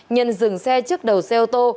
nhân dừng xe trước đầu xe ô tô